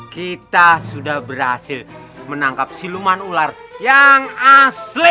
kita sudah berhasil menangkap siluman ular yang asli